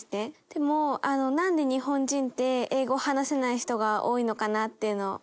でもなんで日本人って英語を話せない人が多いのかなっていうのが気になります。